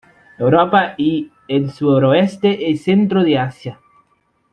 Europa y el suroeste y centro de Asia.